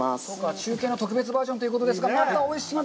中継の特別バージョンということですが、またおいしそう。